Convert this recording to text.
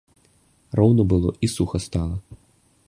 Роўна было, і суха стала.